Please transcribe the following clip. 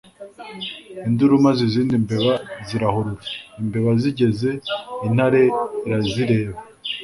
induru maze izindi mbeba zirahurura. imbeba zigeze..., intare irazireba